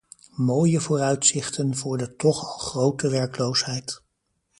Mooie vooruitzichten voor de toch al grote werkloosheid.